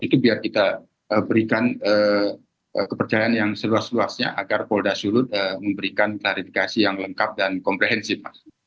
itu biar kita berikan kepercayaan yang seluas luasnya agar polda sulut memberikan klarifikasi yang lengkap dan komprehensif